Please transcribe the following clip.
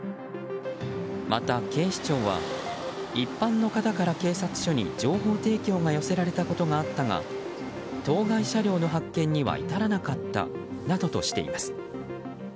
また、警視庁は一般の方から警察署に情報提供が寄せられたことがあったが当該車両の発見には至らなかったとしています。